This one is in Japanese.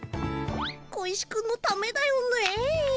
小石君のためだよね。